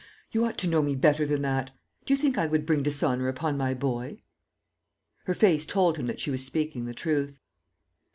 you ought to know me better than that. Do you think I would bring dishonour upon my boy?" Her face told him that she was speaking the truth.